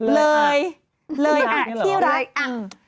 เลยเลยอ่ะที่รัก